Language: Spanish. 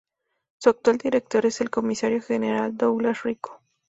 Su actual director es el Comisario General Douglas Rico.